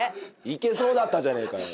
いけそうだったじゃねえかよ